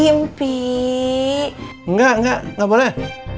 enggak enggak gak boleh